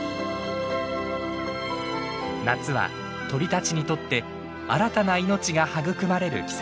夏は鳥たちにとって新たな命が育まれる季節。